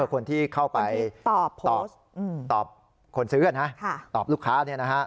คนที่เข้าไปตอบลูกค้า